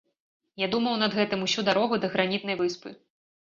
Я думаў над гэтым усю дарогу да гранітнай выспы.